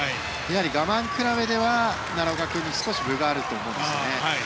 我慢比べでは奈良岡君に少し分があると思うんですね。